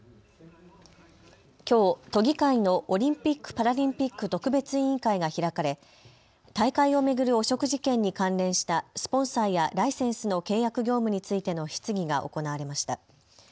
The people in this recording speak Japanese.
きょう都議会のオリンピック・パラリンピック特別委員会が開かれ、大会を巡る汚職事件に関連したスポンサーやラインセンスの契約業務についての質疑が行われました。